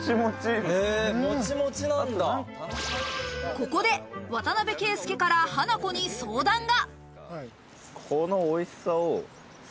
ここで渡邊圭祐からハナコに相談が。